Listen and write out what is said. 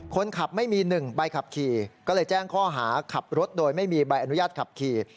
คนขับไม่มี๑ใบขับขี่ก็เลยแจ้งข้อหาขับรถโดยไม่มีใบอนุญาตขับขี่